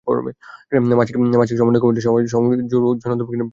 মাসিক সমন্বয় কমিটির সভায় সড়কগুলোতে জনদুর্ভোগ নিয়ে প্রায় সময় আলোচনা হয়।